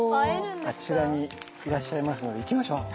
あちらにいらっしゃいますので行きましょう。